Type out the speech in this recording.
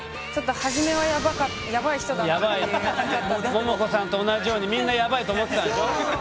ももこさんと同じようにみんなヤバいと思ってたんでしょ？